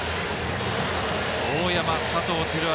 大山、佐藤輝明